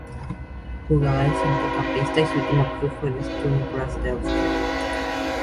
Jugaba de centrocampista y su último club fue el Sturm Graz de Austria.